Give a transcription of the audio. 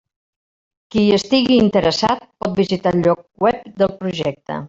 Qui hi estigui interessat, pot visitar el lloc web del projecte.